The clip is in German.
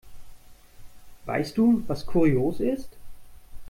Weißt du, was kurios ist?